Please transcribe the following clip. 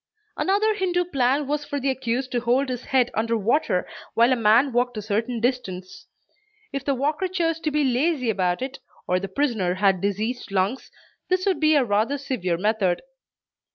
Another Hindoo plan was for the accused to hold his head under water while a man walked a certain distance. If the walker chose to be lazy about it, or the prisoner had diseased lungs, this would be a rather severe method.